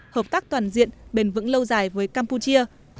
hợp tác toàn diện bền vững lâu dài với campuchia